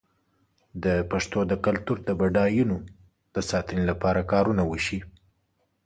د پښتو د کلتور د بډاینو د ساتنې لپاره کارونه وشي.